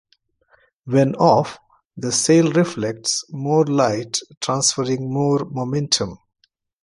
When off, the sail reflects more light, transferring more momentum.